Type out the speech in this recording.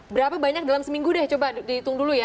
berapa banyak dalam seminggu deh coba dihitung dulu ya